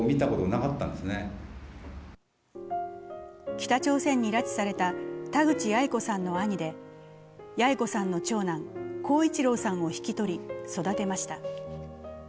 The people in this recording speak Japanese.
北朝鮮に拉致された田口八重子さんの兄で八重子さんの長男・耕一郎さんを引き取り、育てました。